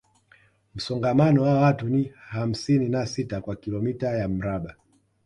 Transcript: Msongamano wa watu ni hamsini na sita kwa kilomita ya mraba